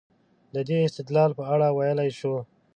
د دې استدلال په اړه ویلای شو.